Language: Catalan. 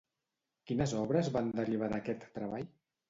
Quines obres van derivar d'aquest treball?